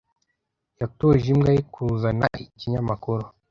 Yatoje imbwa ye kuzana ikinyamakuru.